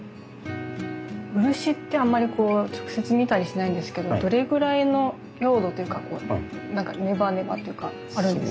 漆ってあんまりこう直接見たりしないんですけどどれぐらいの溶度というかこう何かネバネバというかあるんですか？